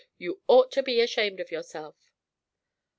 You ought to be ashamed of yourself!"